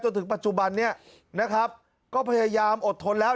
ถึงปัจจุบันนี้นะครับก็พยายามอดทนแล้ว